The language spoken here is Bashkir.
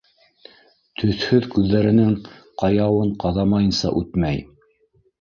Төҫһөҙ күҙҙәренең ҡаяуын ҡаҙамайынса үтмәй...